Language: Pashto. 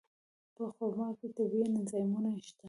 په خرما کې طبیعي انزایمونه شته.